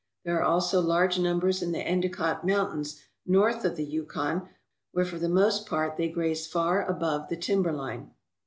There are also large num bers in the Endicott Mountains, north of the Yukon, where for the most part they graze far above the timber line.